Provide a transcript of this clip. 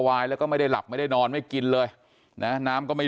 ซึ่งแต่ละคนตอนนี้ก็ยังให้การแตกต่างกันอยู่เลยว่าวันนั้นมันเกิดอะไรขึ้นบ้างนะครับ